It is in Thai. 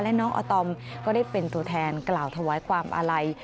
และน้องอาตอมก็ได้เป็นตัวแทนกล่าวถวายความอาลัย